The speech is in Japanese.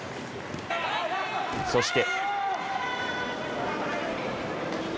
そして。